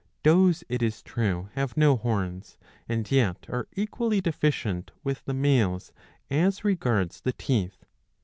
Does, it is true, have no horns and yet are equally deficient with the males as regards the teeth.